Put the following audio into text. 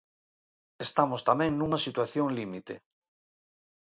Estamos tamén nunha situación límite.